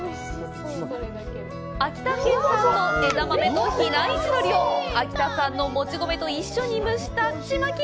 秋田産の枝豆と比内地鶏を秋田産のもち米と一緒に蒸したちまき。